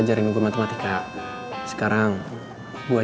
jadi gue ikutan juga